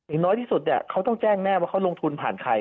น้อยที่สุดเนี่ยเขาต้องแจ้งแน่ว่าเขาลงทุนผ่านใคร